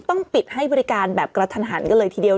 ต้องปิดให้บริการแบบกระทันหันกันเลยทีเดียว